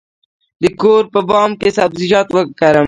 د کور په بام کې سبزیجات وکرم؟